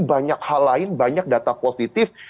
banyak hal lain banyak data positif